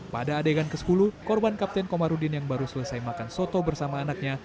pada adegan ke sepuluh korban kapten komarudin yang baru selesai makan soto bersama anaknya